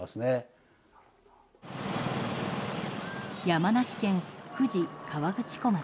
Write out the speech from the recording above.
山梨県富士河口湖町。